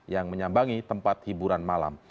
yang menyambangi tempat hiburan malam